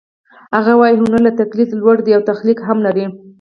هغه وايي هنر له تقلید لوړ دی او تخلیق هم لري